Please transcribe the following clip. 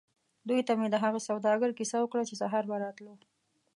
دوی ته مې د هغه سوداګر کیسه وکړه چې سهار به راتلو.